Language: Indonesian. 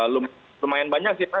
lumayan banyak sih pak